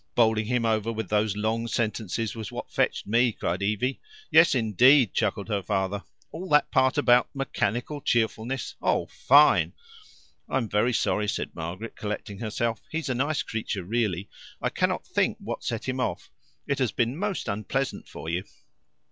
"Bowling him over with those long sentences was what fetched me," cried Evie. "Yes, indeed," chuckled her father; "all that part about 'mechanical cheerfulness' oh, fine!" "I'm very sorry," said Margaret, collecting herself. "He's a nice creature really. I cannot think what set him off. It has been most unpleasant for you."